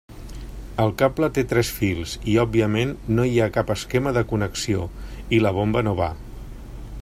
El cable té tres fils i òbviament no hi ha cap esquema de connexió i la bomba no va.